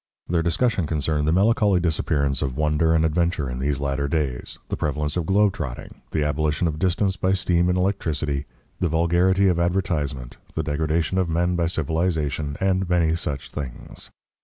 Their discussion concerned the melancholy disappearance of wonder and adventure in these latter days, the prevalence of globe trotting, the abolition of distance by steam and electricity, the vulgarity of advertisement, the degradation of men by civilisation, and many such things.